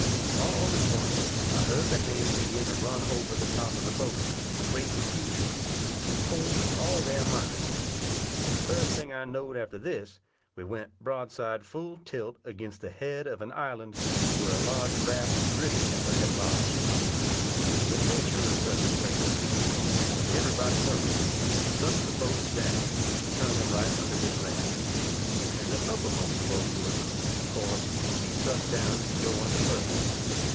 All at once I heard the hands begin to run over the top of the boat in great confusion, and pull with all their might; and the first thing I know'd after this we went broadside full tilt against the head of an island where a large raft of drift timber had lodged. The nature of such a place would be, as every body knows, to suck the boats down, and turn them right under this raft; and the uppermost boat would, of course, be suck'd down and go under first.